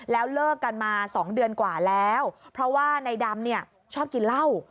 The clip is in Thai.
แล้วเลิกกันมา๒เดือนกว่าแล้วเพราะว่าในดำเนี่ยชอบกินเหล้า